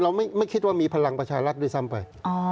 ไม่คิดว่ามีพลังประชารัฐด้วยซ้ำไป